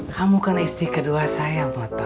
kamu kan istri kedua saya mata